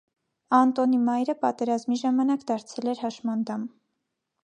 Անտոնի մայրը պատերազմի ժամանակ դարձել էր հաշմանդամ։